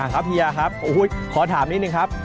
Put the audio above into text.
ครับเฮียครับขอถามนิดนึงครับ